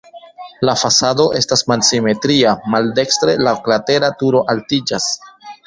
La fasado estas malsimetria, maldekstre la oklatera turo altiĝas.